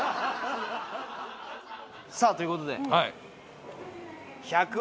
さあということで。